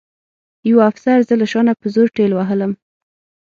یوه افسر زه له شا نه په زور ټېل وهلم